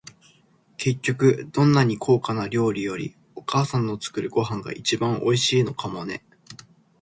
結局、どんなに高価な料理より、お母さんの作るご飯が一番おいしいのかもね。